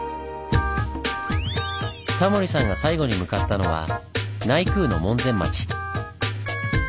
タモリさんが最後に向かったのは内宮の門前町。